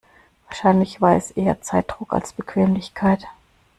Wahrscheinlich war es eher Zeitdruck als Bequemlichkeit.